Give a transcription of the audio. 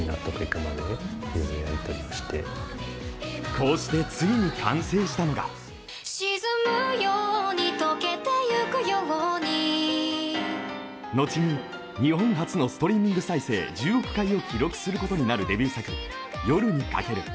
こうして、ついに完成したのが後に日本初のストリーミング再生１０億回を記録することになるデビュー作「夜に駆ける」。